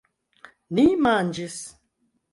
Ni manĝis.